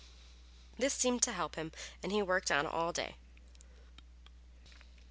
This seemed to help him and he worked on all day.